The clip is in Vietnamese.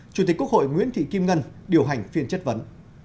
chủ tịch quốc hội nguyễn thị kim ngân điều hành phiên chất vấn